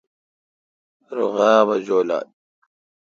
رو غاب اؘ جولال۔